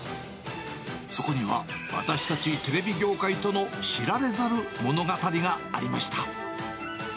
そこには私たちテレビ業界との知られざる物語がありました。